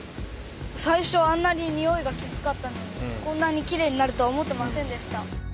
最初はあんなににおいがきつかったのにこんなにきれいになるとは思ってませんでした。